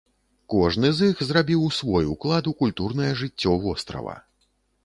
Кожны з іх зрабіў свой уклад у культурнае жыццё вострава.